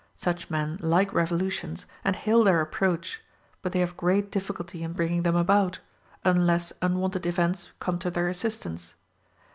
Such men like revolutions and hail their approach; but they have great difficulty in bringing them about, unless unwonted events come to their assistance.